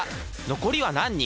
残りは何人？